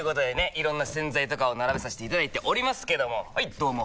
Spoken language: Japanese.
いろんな洗剤とかを並べさせていただいておりますけどもはいどうも！